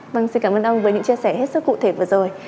vâng xin cảm ơn ông với những chia sẻ hết sức cụ thể vừa rồi